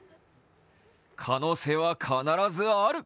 可能性は必ずある！